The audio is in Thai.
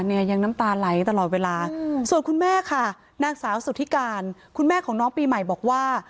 เนี่ยยังน้ำตาไหลตลอดเวลาส่วนคุณแม่ค่ะนางสาวสุธิการคุณแม่ของน้องปีใหม่บอกว่า